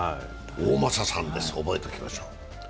大政さんです、覚えておきましょう。